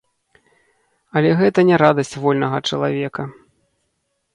Але гэта не радасць вольнага чалавека.